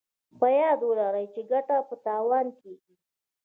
په ياد ولرئ چې ګټه په تاوان کېږي.